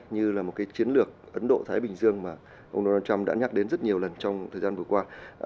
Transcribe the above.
như là một cái chiến lược ấn độ thái bình dương mà ông donald trump đã nhắc đến rất nhiều lần trong thời gian vừa qua